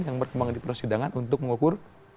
yang berkembang di persidangan untuk mengukur